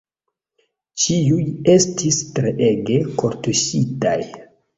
Ĉiuj estis treege kortuŝitaj.